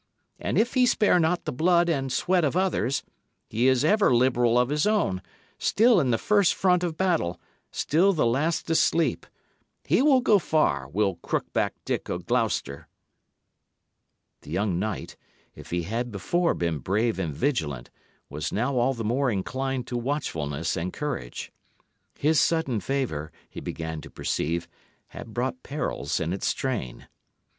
And if he spare not the blood and sweat of others, he is ever liberal of his own, still in the first front of battle, still the last to sleep. He will go far, will Crookback Dick o' Gloucester!" The young knight, if he had before been brave and vigilant, was now all the more inclined to watchfulness and courage. His sudden favour, he began to perceive, had brought perils in its train.